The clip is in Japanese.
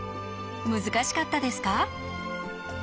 難しかったですか？